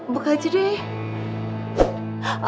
buka aja deh